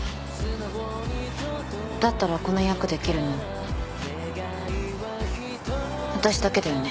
だったらこの役できるの私だけだよね。